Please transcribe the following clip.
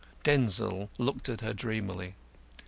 Denzil looked at her dreamily.